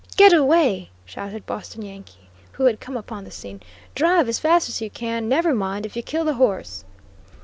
"Get away," shouted Boston Yankee, who had come upon the scene. "Drive as fast as you can; never mind if you kill the horse."